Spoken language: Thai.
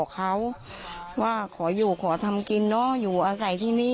เลขที่บ้าน